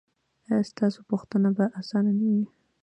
ایا ستاسو پوښتنه به اسانه نه وي؟